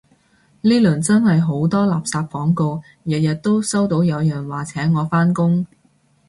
呢輪真係好多垃圾廣告，日日都收到有人話請我返工